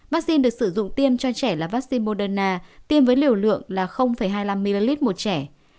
vaccine được sử dụng tiêm cho trẻ là vaccine moderna tiêm với liều lượng là hai mươi năm ml một trẻ